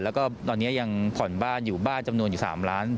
แล้วก็ตอนนี้ยังผ่อนบ้านอยู่บ้านจำนวนอยู่๓ล้าน